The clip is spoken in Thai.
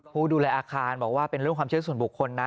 ผู้ดูแลอาคารบอกว่าเป็นเรื่องความเชื่อส่วนบุคคลนะ